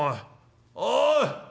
おい！